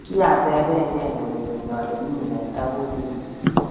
Kiateben gei kwekeny ale mi ne taputie ng'ung'